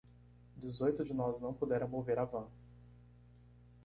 Dezoito de nós não puderam mover a van.